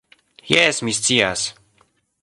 Jes, mi scias